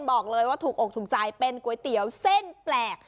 บอกเลยว่าถูกอกถูกใจเป็นก๋วยเตี๋ยวเส้นแปลก